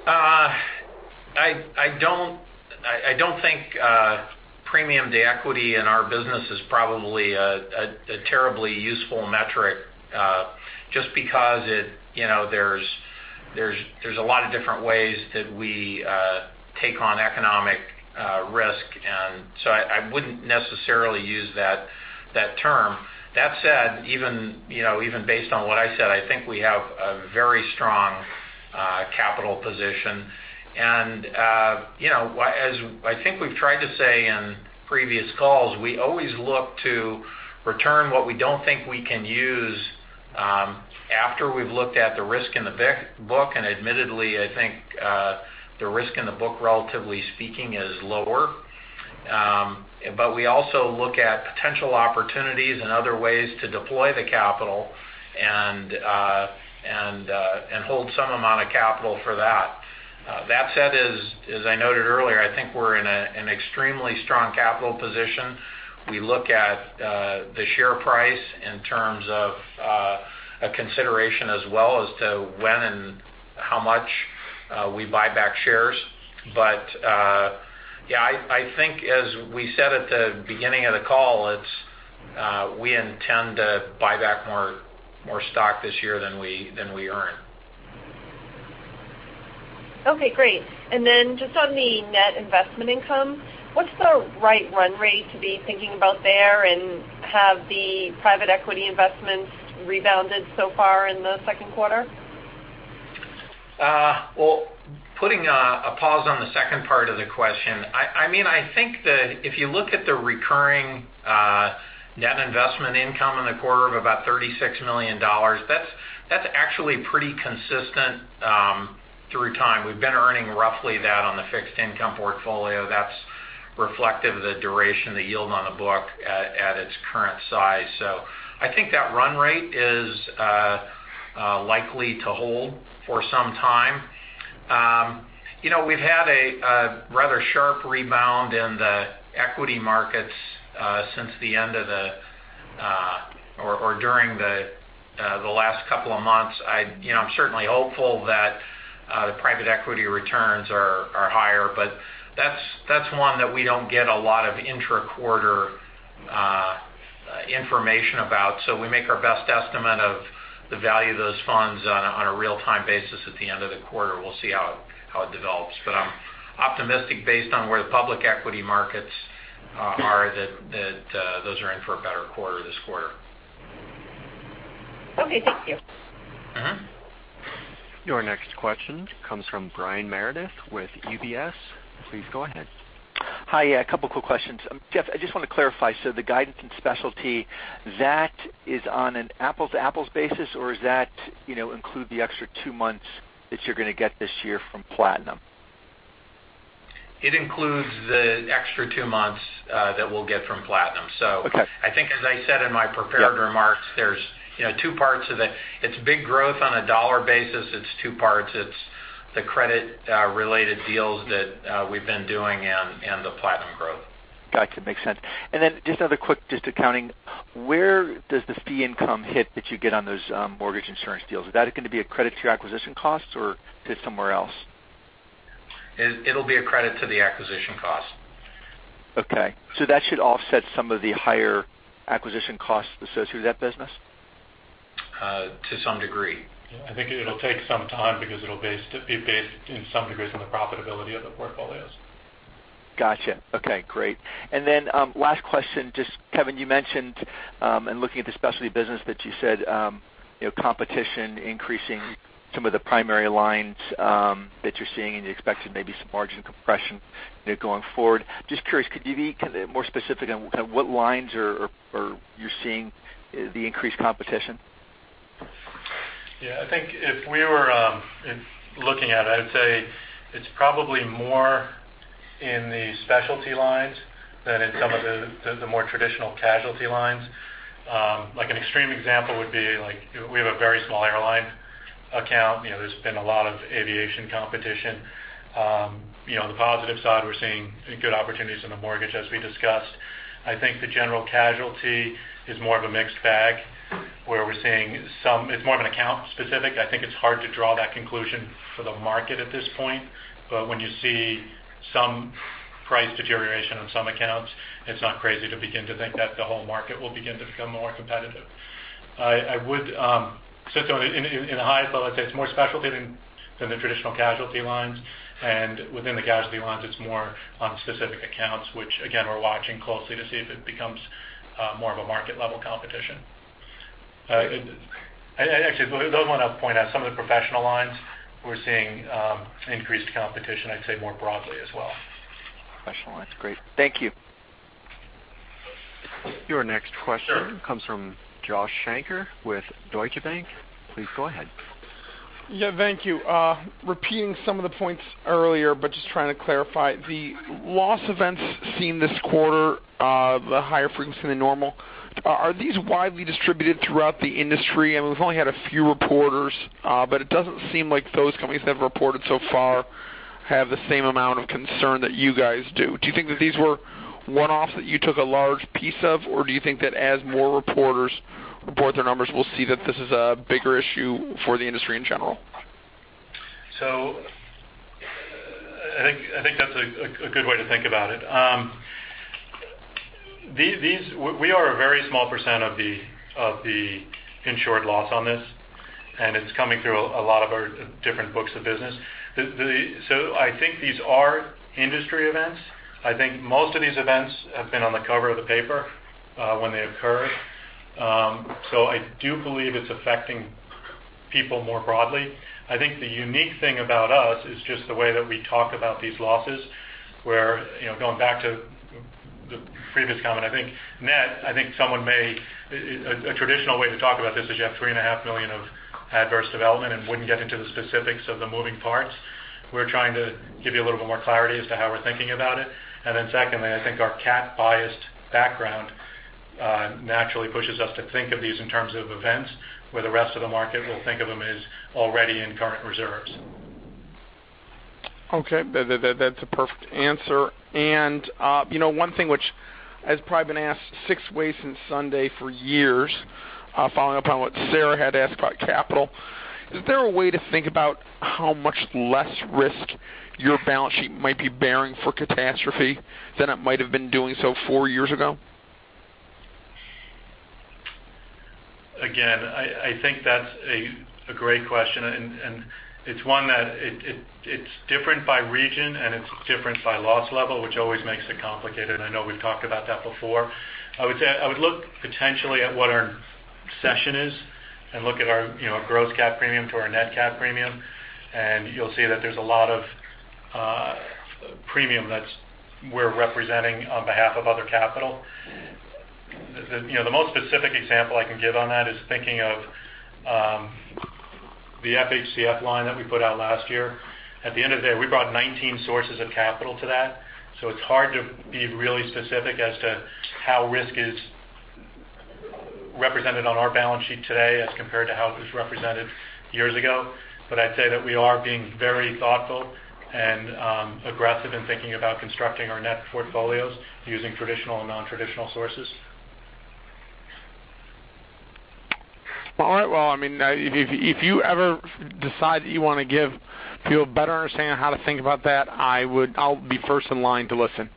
I don't think premium to equity in our business is probably a terribly useful metric, just because there's a lot of different ways that we take on economic risk, so I wouldn't necessarily use that term. That said, even based on what I said, I think we have a very strong capital position. I think we've tried to say in previous calls, we always look to return what we don't think we can use after we've looked at the risk in the book, and admittedly, I think the risk in the book, relatively speaking, is lower. We also look at potential opportunities and other ways to deploy the capital and hold some amount of capital for that. That said, as I noted earlier, I think we're in an extremely strong capital position. We look at the share price in terms of a consideration as well as to when and how much we buy back shares. I think as we said at the beginning of the call, we intend to buy back more stock this year than we earn. Okay, great. Just on the net investment income, what's the right run rate to be thinking about there, and have the private equity investments rebounded so far in the second quarter? Well, putting a pause on the second part of the question. I think that if you look at the recurring net investment income in the quarter of about $36 million, that's actually pretty consistent through time. We've been earning roughly that on the fixed income portfolio. That's reflective of the duration, the yield on the book at its current size. I think that run rate is likely to hold for some time. We've had a rather sharp rebound in the equity markets since the end of or during the last couple of months. I'm certainly hopeful that the private equity returns are higher, but that's one that we don't get a lot of intra-quarter information about. We make our best estimate of the value of those funds on a real-time basis at the end of the quarter. We'll see how it develops. I'm optimistic based on where the public equity markets are that those are in for a better quarter this quarter. Okay, thank you. Your next question comes from Brian Meredith with UBS. Please go ahead. Hi. Yeah, a couple of quick questions. Jeff, I just want to clarify, the guidance in specialty, that is on an apples-to-apples basis, or does that include the extra two months that you're going to get this year from Platinum? It includes the extra two months that we'll get from Platinum. Okay. I think as I said in my prepared remarks, there's two parts of it. It's big growth on a dollar basis. It's two parts. It's the credit related deals that we've been doing and the Platinum growth. Gotcha. Makes sense. Then just another quick, just accounting, where does this fee income hit that you get on those mortgage reinsurance deals? Is that going to be a credit to your acquisition costs or hit somewhere else? It'll be a credit to the acquisition cost. That should offset some of the higher acquisition costs associated with that business? To some degree. I think it'll take some time because it'll be based in some degrees on the profitability of the portfolios. Got you. Okay, great. Last question, just Kevin, you mentioned in looking at the specialty business that you said competition increasing some of the primary lines that you're seeing, and you expected maybe some margin compression going forward. Just curious, could you be more specific on what lines you're seeing the increased competition? Yeah. I think if we were looking at it, I would say it's probably more in the specialty lines than in some of the more traditional casualty lines. An extreme example would be we have a very small airline account. There's been a lot of aviation competition. On the positive side, we're seeing good opportunities in the mortgage as we discussed. I think the general casualty is more of a mixed bag, where we're seeing it's more of an account specific. I think it's hard to draw that conclusion for the market at this point. When you see some price deterioration on some accounts, it's not crazy to begin to think that the whole market will begin to become more competitive. I would sit on in the highest. Let's say it's more specialty than the traditional casualty lines. Within the casualty lines, it's more on specific accounts, which again, we're watching closely to see if it becomes more of a market-level competition. Actually, I want to point out some of the professional lines we're seeing increased competition, I'd say more broadly as well. Professional lines. Great. Thank you. Your next question comes from Josh Shanker with Deutsche Bank. Please go ahead. Thank you. Repeating some of the points earlier, but just trying to clarify, the loss events seen this quarter, the higher frequency than normal, are these widely distributed throughout the industry? We've only had a few reporters, but it doesn't seem like those companies that have reported so far have the same amount of concern that you guys do. Do you think that these were one-offs that you took a large piece of? Do you think that as more reporters report their numbers, we'll see that this is a bigger issue for the industry in general? I think that's a good way to think about it. We are a very small percent of the insured loss on this, and it's coming through a lot of our different books of business. I think these are industry events. I think most of these events have been on the cover of the paper when they occurred. I do believe it's affecting people more broadly. I think the unique thing about us is just the way that we talk about these losses, where, going back to the previous comment, I think net, a traditional way to talk about this is you have three and a half million of adverse development and wouldn't get into the specifics of the moving parts. We're trying to give you a little bit more clarity as to how we're thinking about it. Secondly, I think our cat-biased background naturally pushes us to think of these in terms of events where the rest of the market will think of them as already in current reserves. Okay. That's a perfect answer. One thing which has probably been asked six ways since Sunday for years, following up on what Sarah had asked about capital, is there a way to think about how much less risk your balance sheet might be bearing for catastrophe than it might have been doing so four years ago? I think that's a great question, it's one that it's different by region and it's different by loss level, which always makes it complicated. I know we've talked about that before. I would look potentially at what our session is and look at our gross cat premium to our net cat premium, and you'll see that there's a lot of premium that we're representing on behalf of other capital. The most specific example I can give on that is thinking of the FHCF line that we put out last year. At the end of the day, we brought 19 sources of capital to that. It's hard to be really specific as to how risk is represented on our balance sheet today as compared to how it was represented years ago. I'd say that we are being very thoughtful and aggressive in thinking about constructing our net portfolios using traditional and non-traditional sources. All right. Well, if you ever decide that you want to give people a better understanding of how to think about that, I'll be first in line to listen.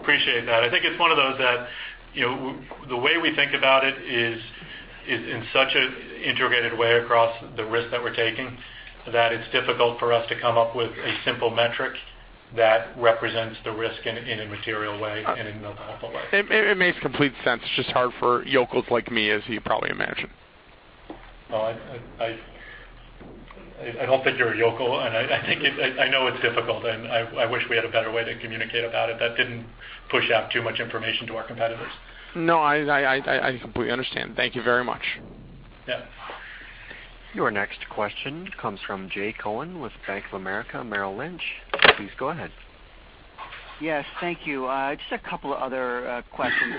Appreciate that. I think it's one of those that the way we think about it is in such an integrated way across the risk that we're taking, that it's difficult for us to come up with a simple metric that represents the risk in a material way and in a helpful way. It makes complete sense. It's just hard for yokels like me, as you probably imagine. Well, I don't think you're a yokel, and I know it's difficult, and I wish we had a better way to communicate about it that didn't push out too much information to our competitors. No, I completely understand. Thank you very much. Yeah. Your next question comes from Jay Cohen with Bank of America Merrill Lynch. Please go ahead. Yes, thank you. Just a couple of other questions.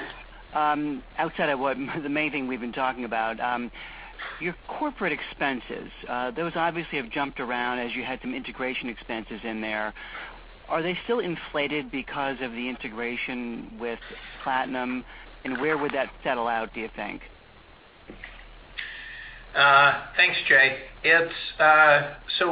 Outside of the main thing we've been talking about, your corporate expenses, those obviously have jumped around as you had some integration expenses in there. Are they still inflated because of the integration with Platinum, and where would that settle out, do you think? Thanks, Jay.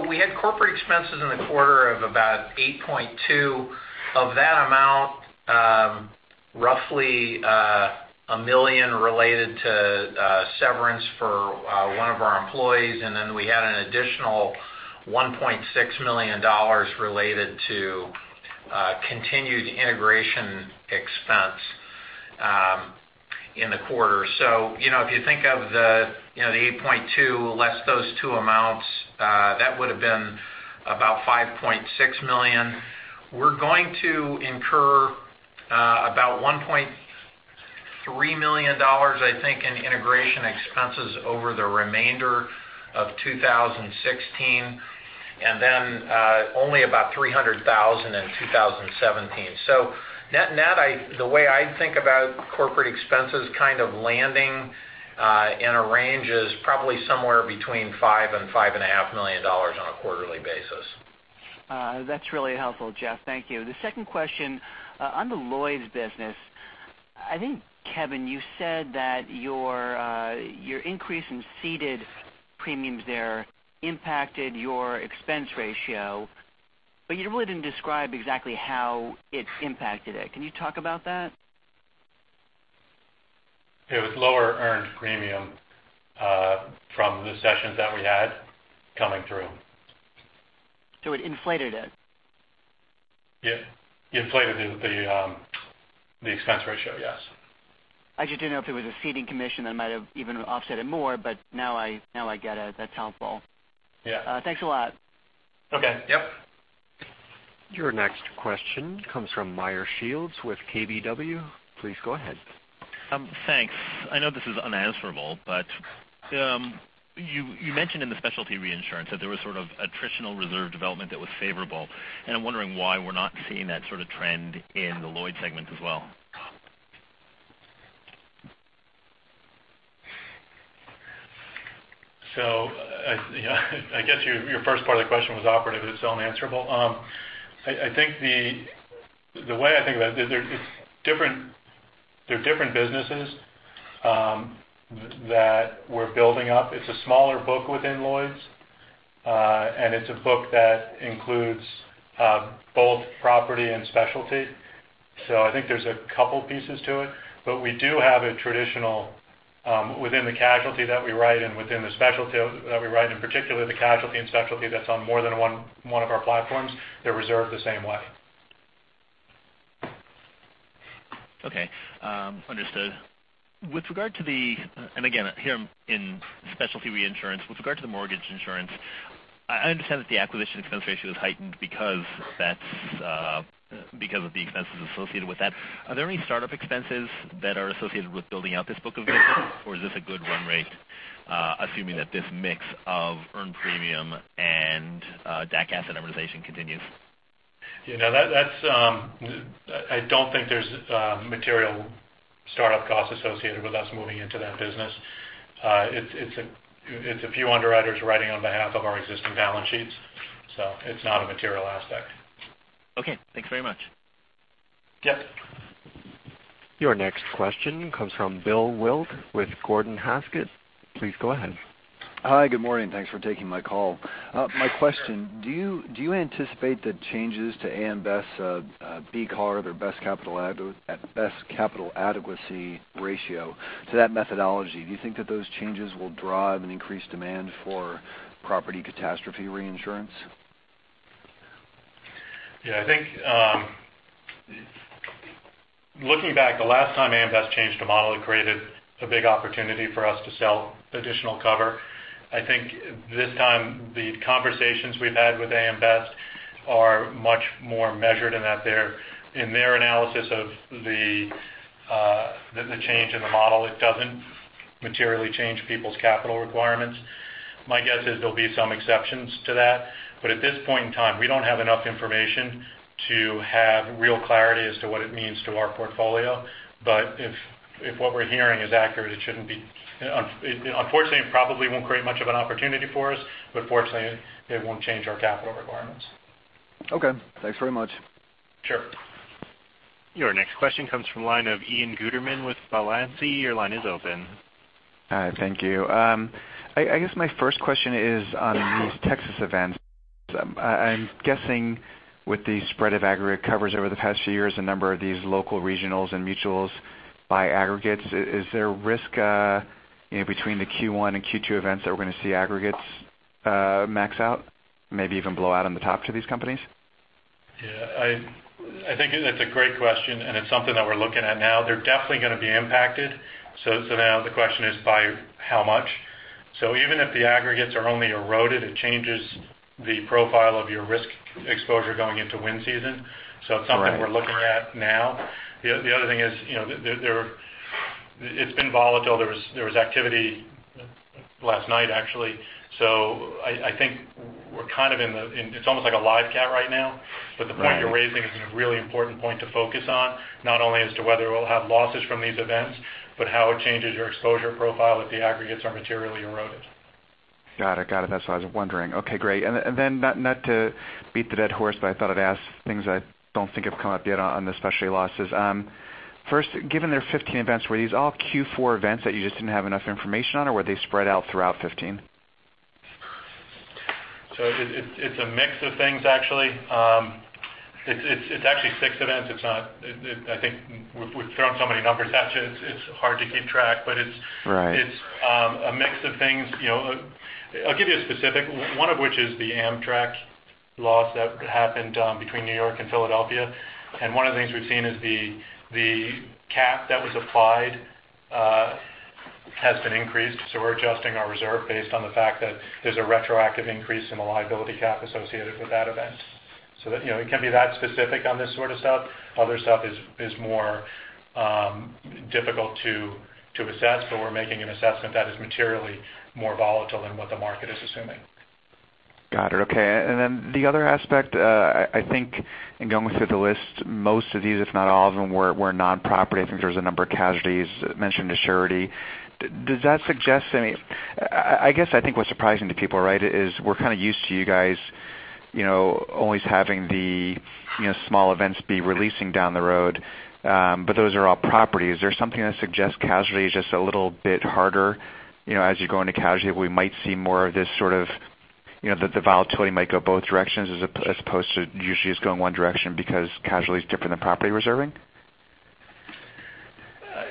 We had corporate expenses in the quarter of about $8.2. Of that amount, roughly $1 million related to severance for one of our employees, and then we had an additional $1.6 million related to continued integration expense in the quarter. If you think of the $8.2 less those two amounts, that would have been about $5.6 million. We're going to incur about $3 million, I think, in integration expenses over the remainder of 2016, and then only about $300,000 in 2017. Net-net, the way I think about corporate expenses kind of landing in a range is probably somewhere between $5 million and $5.5 million on a quarterly basis. That's really helpful, Jeff. Thank you. The second question, on the Lloyd's business, I think, Kevin, you said that your increase in ceded premiums there impacted your expense ratio, but you really didn't describe exactly how it's impacted it. Can you talk about that? It was lower earned premium from the cessions that we had coming through. It inflated it? It inflated the expense ratio, yes. I just didn't know if it was a ceding commission that might have even offset it more. Now I get it. That's helpful. Yeah. Thanks a lot. Okay. Yep. Your next question comes from Meyer Shields with KBW. Please go ahead. Thanks. I know this is unanswerable, but you mentioned in the specialty reinsurance that there was sort of attritional reserve development that was favorable, and I'm wondering why we're not seeing that sort of trend in the Lloyd's segment as well. I guess your first part of the question was operative as it's unanswerable. The way I think about it, they're different businesses that we're building up. It's a smaller book within Lloyd's, and it's a book that includes both property and specialty. I think there's a couple pieces to it, but we do have a traditional within the casualty that we write and within the specialty that we write, in particular the casualty and specialty that's on more than one of our platforms, they're reserved the same way. Okay. Understood. Again, here in specialty reinsurance, with regard to the mortgage insurance, I understand that the acquisition expense ratio is heightened because of the expenses associated with that. Are there any startup expenses that are associated with building out this book of business? Or is this a good run rate, assuming that this mix of earned premium and DAC amortization continues? I don't think there's material startup costs associated with us moving into that business. It's a few underwriters writing on behalf of our existing balance sheets, it's not a material aspect. Okay. Thanks very much. Yep. Your next question comes from Bill Wilt with Gordon Haskett. Please go ahead. Hi. Good morning. Thanks for taking my call. My question, do you anticipate the changes to AM Best's BCAR, their Best's Capital Adequacy Ratio, to that methodology? Do you think that those changes will drive an increased demand for property catastrophe reinsurance? Yeah, I think looking back, the last time AM Best changed a model, it created a big opportunity for us to sell additional cover. I think this time the conversations we've had with AM Best are much more measured in that in their analysis of the change in the model, it doesn't materially change people's capital requirements. My guess is there'll be some exceptions to that, but at this point in time, we don't have enough information to have real clarity as to what it means to our portfolio. If what we're hearing is accurate, unfortunately, it probably won't create much of an opportunity for us, but fortunately, it won't change our capital requirements. Okay. Thanks very much. Sure. Your next question comes from the line of Ian Gutterman with Balyasny. Your line is open. Hi. Thank you. I guess my first question is on these Texas events. I'm guessing with the spread of aggregate coverage over the past few years, a number of these local regionals and mutuals by aggregates, is there risk between the Q1 and Q2 events that we're going to see aggregates max out, maybe even blow out on the top to these companies? Yeah, I think that's a great question, and it's something that we're looking at now. They're definitely going to be impacted. Now the question is by how much? Even if the aggregates are only eroded, it changes the profile of your risk exposure going into wind season. Right. It's something we're looking at now. The other thing is, it's been volatile. There was activity last night, actually. I think it's almost like a live cat right now. Right. The point you're raising is a really important point to focus on, not only as to whether we'll have losses from these events, but how it changes your exposure profile if the aggregates are materially eroded. Got it. That's what I was wondering. Okay, great. Not to beat the dead horse, but I thought I'd ask things I don't think have come up yet on the specialty losses. First, given there are 15 events, were these all Q4 events that you just didn't have enough information on, or were they spread out throughout 2015? It's a mix of things, actually. It's actually six events. I think we've thrown so many numbers at you, it's hard to keep track. Right It's a mix of things. I'll give you a specific, one of which is the Amtrak loss that happened between New York and Philadelphia. One of the things we've seen is the cap that was applied has been increased, so we're adjusting our reserve based on the fact that there's a retroactive increase in the liability cap associated with that event. It can be that specific on this sort of stuff. Other stuff is more difficult to assess, but we're making an assessment that is materially more volatile than what the market is assuming. Got it. Okay. The other aspect, I think in going through the list, most of these, if not all of them, were non-property. I think there's a number of casualties. Mentioned the surety. I guess I think what's surprising to people, right, is we're kind of used to you guys always having the small events be releasing down the road. Those are all property. Is there something that suggests casualty is just a little bit harder? As you go into casualty, we might see more of this sort of the volatility might go both directions as opposed to usually it's going one direction because casualty is different than property reserving?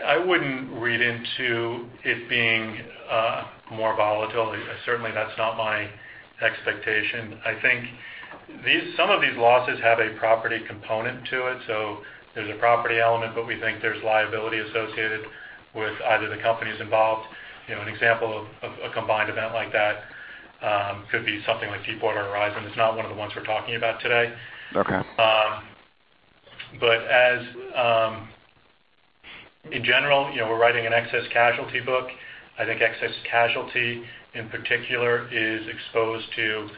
I wouldn't read into it being more volatile. Certainly, that's not my expectation. I think some of these losses have a property component to it. There's a property element, but we think there's liability associated with either the companies involved. An example of a combined event like that could be something like Deepwater or Horizon. It's not one of the ones we're talking about today. Okay. In general, we're writing an excess casualty book. I think excess casualty, in particular, is exposed to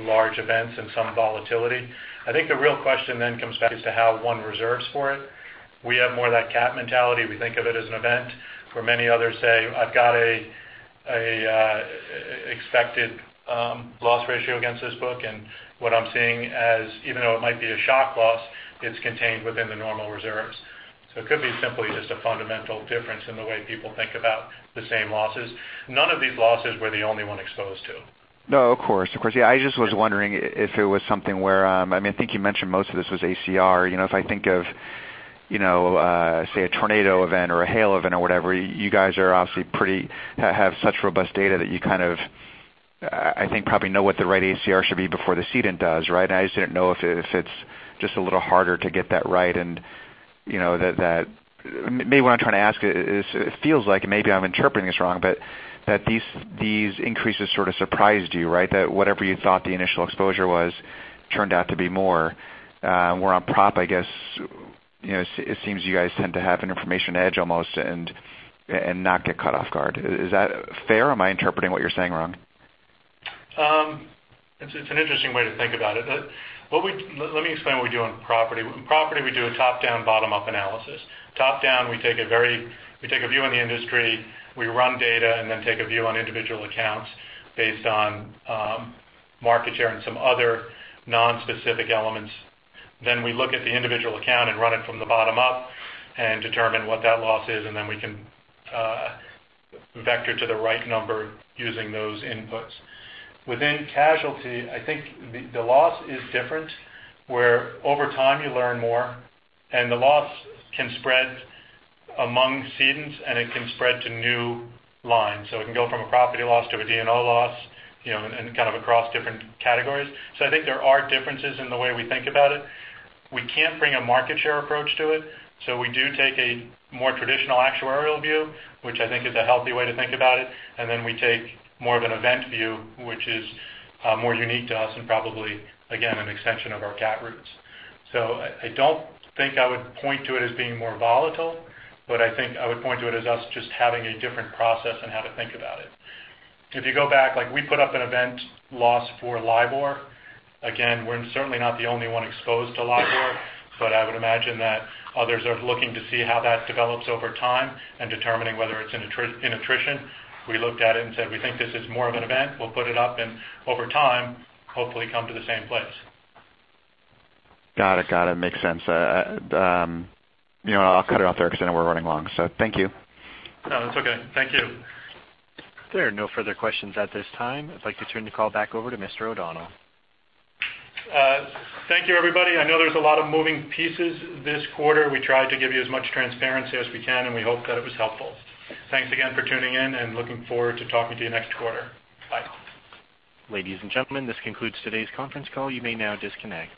large events and some volatility. I think the real question then comes back as to how one reserves for it. We have more of that cat mentality. We think of it as an event. For many others say, "I've got an expected loss ratio against this book, and what I'm seeing as even though it might be a shock loss, it's contained within the normal reserves." It could be simply just a fundamental difference in the way people think about the same losses. None of these losses were the only one exposed to. No, of course. I just was wondering if it was something where, I think you mentioned most of this was ACR. If I think of, say, a tornado event or a hail event or whatever, you guys are obviously have such robust data that you kind of, I think, probably know what the right ACR should be before the cedent does, right? I just didn't know if it's just a little harder to get that right and that maybe what I'm trying to ask is it feels like, and maybe I'm interpreting this wrong, but that these increases sort of surprised you, right? That whatever you thought the initial exposure was turned out to be more. Where on prop, I guess it seems you guys tend to have an information edge almost and not get caught off guard. Is that fair? Am I interpreting what you're saying wrong? It's an interesting way to think about it. Let me explain what we do on Property. Property, we do a top-down, bottom-up analysis. Top-down, we take a view on the industry, we run data, then take a view on individual accounts based on market share and some other non-specific elements. We look at the individual account and run it from the bottom up and determine what that loss is, we can vector to the right number using those inputs. Within casualty, I think the loss is different, where over time you learn more, and the loss can spread among cedents, and it can spread to new lines. It can go from a property loss to a D&O loss, kind of across different categories. I think there are differences in the way we think about it. We can't bring a market share approach to it. We do take a more traditional actuarial view, which I think is a healthy way to think about it. Then we take more of an event view, which is more unique to us and probably, again, an extension of our cat roots. I don't think I would point to it as being more volatile, but I think I would point to it as us just having a different process on how to think about it. If you go back, like we put up an event loss for LIBOR. Again, we're certainly not the only one exposed to LIBOR. I would imagine that others are looking to see how that develops over time and determining whether it's in attrition. We looked at it and said, "We think this is more of an event. We'll put it up, Over time, hopefully come to the same place. Got it. Makes sense. I'll cut it off there because I know we're running long. Thank you. No, that's okay. Thank you. There are no further questions at this time. I'd like to turn the call back over to Mr. O'Donnell. Thank you, everybody. I know there's a lot of moving pieces this quarter. We tried to give you as much transparency as we can, and we hope that it was helpful. Thanks again for tuning in, and looking forward to talking to you next quarter. Bye. Ladies and gentlemen, this concludes today's conference call. You may now disconnect.